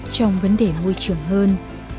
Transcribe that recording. trong vấn đề môi trường hơn